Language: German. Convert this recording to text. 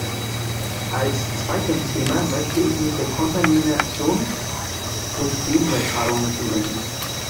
Als zweitem Thema möchte ich mich der Kontamination durch Genübertragung zuwenden.